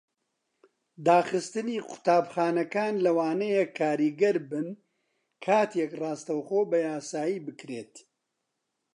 داخستنی قوتابخانەکان لەوانەیە کاریگەر بن کاتێک ڕاستەوخۆ بەیاسایی بکرێت.